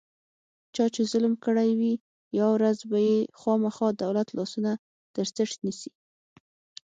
چا چې ظلم کړی وي، یوه ورځ به یې خوامخا دولت لاسونه ترڅټ نیسي.